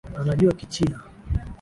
Anajua kichina